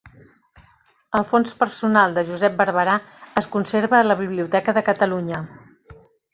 El fons personal de Josep Barberà es conserva a la Biblioteca de Catalunya.